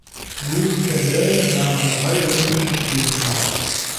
Bruce Kendall nahm an drei Olympischen Spielen teil.